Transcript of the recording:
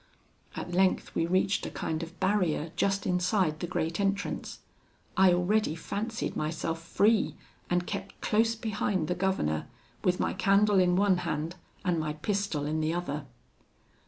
At length we reached a kind of barrier, just inside the great entrance. I already fancied myself free, and kept close behind the governor, with my candle in one hand, and my pistol in the other.